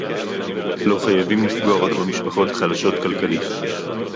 לא חייבים לפגוע רק במשפחות החלשות כלכלית